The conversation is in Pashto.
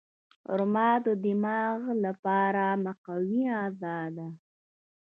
خرما د دماغ لپاره مقوي غذا ده.